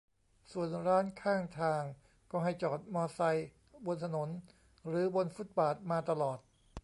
ส่วนร้านข้างทางก็ให้จอดมอไซค์บนถนนหรือบนฟุตบาทมาตลอด